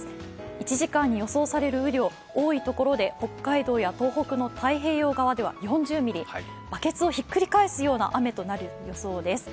１時間に予想される雨量、多いところで北海道や東北の太平洋側では４０ミリ、バケツをひっくり返すような雨となる予想です。